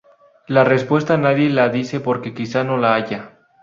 La respuesta nadie la dice porque quizá no la haya.